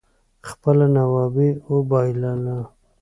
خپله نوابي اوبائلله